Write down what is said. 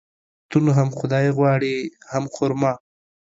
ته نو هم خداى غواړي ،هم خر ما.